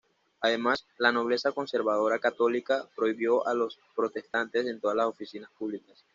Además, la nobleza conservadora católica prohibió a los protestantes en todas las oficinas públicas.